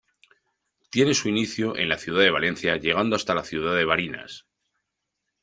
Tiene su inicio en la ciudad de Valencia llegando hasta la ciudad de Barinas.